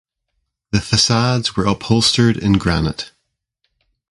The facades were upholstered in granite.